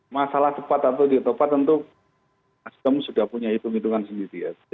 masalah tepat atau ditopat tentu nasdem sudah punya hitung hitungan sendiri